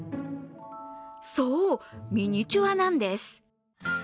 そう、ミニチュアなんです。